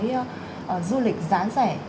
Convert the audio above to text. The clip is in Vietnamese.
du lịch giá rẻ